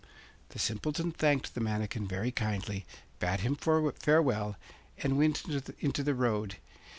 The Simpleton thanked the manikin very kindly, bade him farewell, and went into the road.